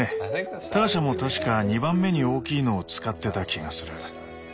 ターシャも確か２番目に大きいのを使ってた気がする。